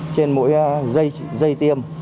trên mỗi dây tiêm